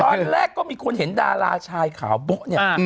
ตอนแรกก็มีคนเห็นดาราชายขาวโบ๊ะเนี่ย